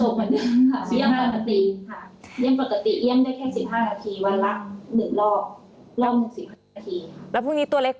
ก็ผ่านกระจกค่ะ